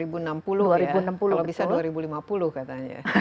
kalau bisa dua ribu lima puluh katanya